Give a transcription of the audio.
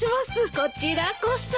こちらこそ。